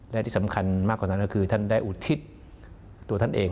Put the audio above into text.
และที่สำคัญมากกว่านั้นก็คือท่านได้อุทิศตัวท่านเอง